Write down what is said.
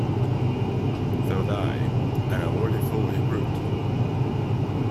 Thought I, and a worthy fool he proved.